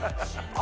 あ！